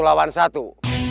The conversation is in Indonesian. aku mau ke sana